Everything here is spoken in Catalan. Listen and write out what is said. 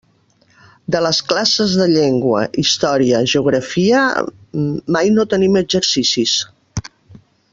De les classes de llengua, història, geografia..., mai no tenim exercicis.